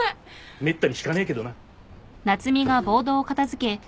めったにひかねえけどな。